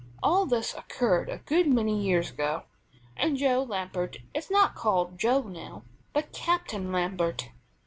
All this occurred a good many years ago, and Joe Lambert is not called Joe now, but Captain Lambert.